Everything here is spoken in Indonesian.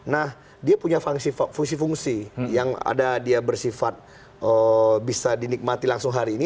nah dia punya fungsi fungsi yang ada dia bersifat bisa dinikmati langsung hari ini